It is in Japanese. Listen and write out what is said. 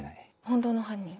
本当の犯人？